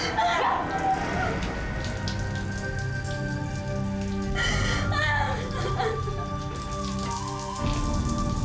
anak asok deh